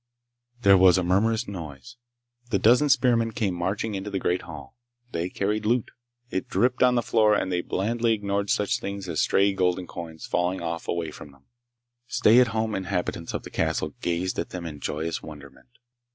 There was a murmurous noise. The dozen spearmen came marching into the great hall. They carried loot. It dripped on the floor and they blandly ignored such things as stray golden coins rolling off away from them. Stay at home inhabitants of the castle gazed at them in joyous wonderment.